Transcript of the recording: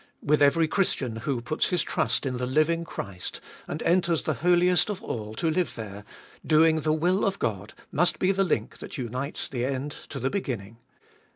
With every Christian who puts his trust in the living Christ, and enters the Holiest of All to live there, doing the will of God must be the link that unites the end to the beginning.